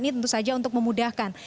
ini tentu saja untuk memudahkan